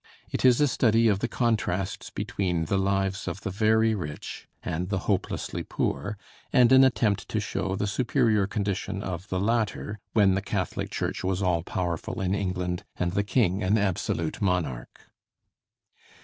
It is a study of the contrasts between the lives of the very rich and the hopelessly poor, and an attempt to show the superior condition of the latter when the Catholic Church was all powerful in England and the king an absolute monarch.